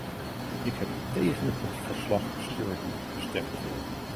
Ik heb tegen het verslag-Sturdy gestemd.